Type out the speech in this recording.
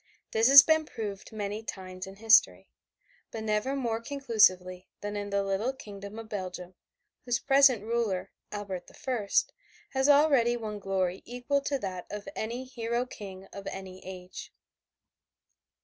This has been proved many times in history, but never more conclusively than in the little kingdom of Belgium, whose present ruler, Albert the First, has already won glory equal to that of any hero king of any age.